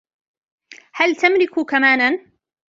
هل تملك كمانًا ؟